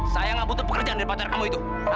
saya gak butuh pekerjaan di tempat pacar kamu itu